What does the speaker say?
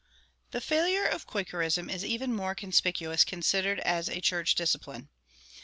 [144:2] The failure of Quakerism is even more conspicuous considered as a church discipline.